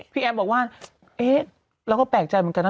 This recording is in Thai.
พี่แอมบอกว่าเราก็แปลกใจเหมือนกันนะ